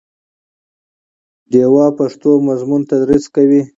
ډیوه پښتو مضمون تدریس کوي